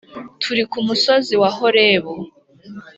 turi ku musozi wa horebu